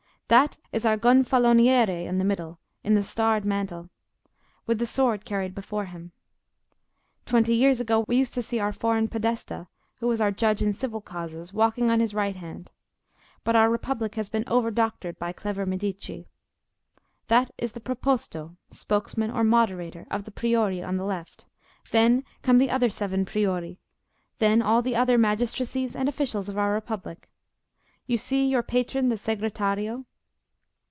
That is our Gonfaloniere in the middle, in the starred mantle, with the sword carried before him. Twenty years ago we used to see our foreign Podesta, who was our judge in civil causes, walking on his right hand; but our Republic has been over doctored by clever Medici. That is the Proposto (Spokesman or Moderator) of the Priori on the left; then come the other seven Priori; then all the other magistracies and officials of our Republic. You see your patron the Segretario?"